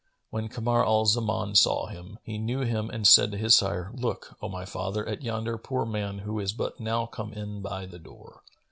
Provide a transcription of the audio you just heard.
When Kamar al Zaman saw him, he knew him and said to his sire, "Look, O my father, at yonder poor man who is but now come in by the door."